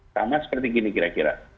sama seperti gini kira kira